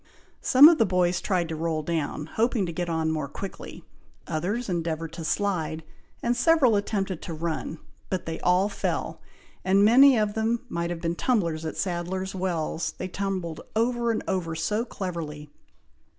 Some of the boys tried to roll down, hoping to get on more quickly. Others endeavoured to slide, and several attempted to run, but they all fell; and many of them might have been tumblers at Sadler's Wells, they tumbled over and over so cleverly.